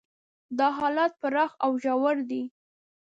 دا حالات پراخ او ژور دي.